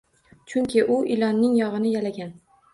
Chunki u ilonning yog`ini yalagan